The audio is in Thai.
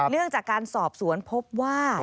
เรื่องจากการสอบสวนพบว่า